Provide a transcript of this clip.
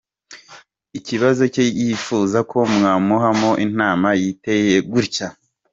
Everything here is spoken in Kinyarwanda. Ikibazo cye yifuza ko mwamuhamo inama giteye gutya:.